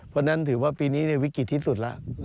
เพราะฉะนั้นถือว่าปีนี้วิกฤตที่สุดแล้ว